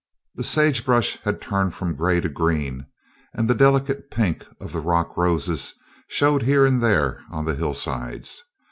The sagebrush had turned from gray to green and the delicate pink of the rock roses showed here and there on the hillsides.